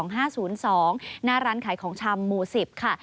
หน้าร้านขายของชำหมู่๑๐ค่ะ